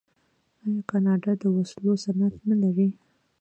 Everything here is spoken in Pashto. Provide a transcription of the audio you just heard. آیا کاناډا د وسلو صنعت نلري؟